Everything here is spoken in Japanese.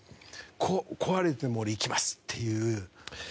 壊れても俺いきますっていう。